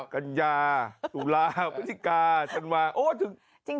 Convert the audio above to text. กันยาจุลาพิธิกาจุลหวาง